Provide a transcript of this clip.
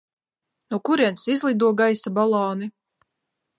No kurienes izlido gaisa baloni?